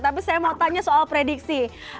tapi saya mau tanya soal prediksi